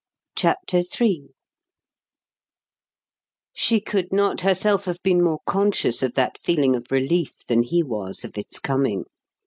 CHAPTER III She could not herself have been more conscious of that feeling of relief than he was of its coming.